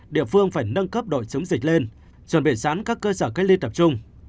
địa phương phải nâng cấp đội chống dịch lên chuẩn bị sẵn các cơ sở cách ly tập trung